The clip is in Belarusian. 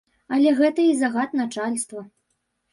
Але гэта і загад начальства.